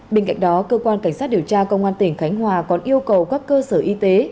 bên cạnh đó cơ quan cảnh sát điều tra công an tỉnh khánh hòa còn yêu cầu các cơ sở y tế